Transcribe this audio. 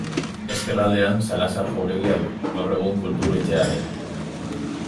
Ezkerraldean Salazar jauregia du, gaur egun Kultur Etxea dena.